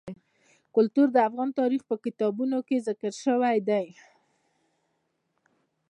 کلتور د افغان تاریخ په کتابونو کې ذکر شوی دي.